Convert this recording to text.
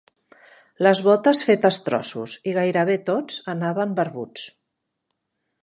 Les botes fetes trossos i gairebé tots anaven barbuts.